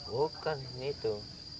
bukan ini tuh